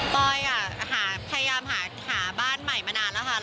ปอยพยายามหาบ้านใหม่มานานแล้วค่ะ